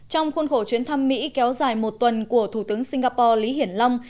trong khuôn khổ chuyến thăm mỹ kéo dài một tuần của thủ tướng singapore lý hiển long